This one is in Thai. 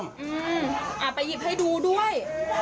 เอาไปหยิบให้ดูด้วย